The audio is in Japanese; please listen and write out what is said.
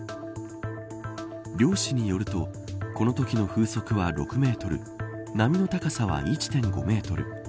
漁師によると、このときの風速は６メートル波の高さは１．５メートル。